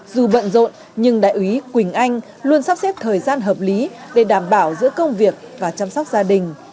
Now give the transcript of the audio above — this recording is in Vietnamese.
dù bận rộn nhưng đại úy quỳnh anh luôn sắp xếp thời gian hợp lý để đảm bảo giữa công việc và chăm sóc gia đình